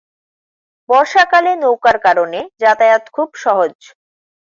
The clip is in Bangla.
বর্ষাকালে নৌকার কারণে যাতায়াত খুব সহজ।